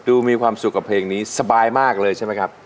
มีความสุขกับเพลงนี้สบายมากเลยใช่ไหมครับ